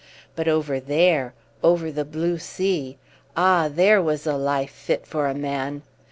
But over there, over the blue sea, ah! there was a life fit for a man.